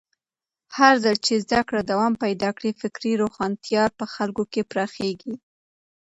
هرځل چې زده کړه دوام پیدا کړي، فکري روښانتیا په خلکو کې پراخېږي.